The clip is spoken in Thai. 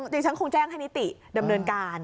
ดิฉันคงแจ้งให้นิติดำเนินการ